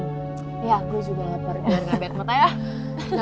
ya gue juga ngerjain barengan badmoutnya ya